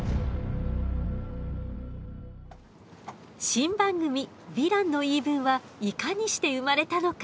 新番組「ヴィランの言い分」はいかにして生まれたのか。